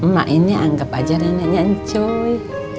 mak ini anggap aja neneknya encoy